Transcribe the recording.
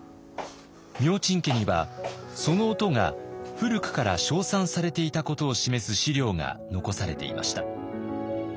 明珍家にはその音が古くから称賛されていたことを示す史料が残されていました。